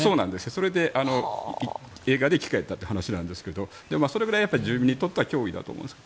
それで映画で生き返ったという話ですがそれぐらい住民にとっては脅威だと思うんです。